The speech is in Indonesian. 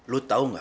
lu tau gak